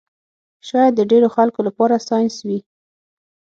شاید د ډېرو خلکو لپاره ساینس وي